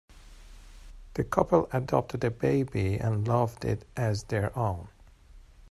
The couple adopted a baby and loved it as their own.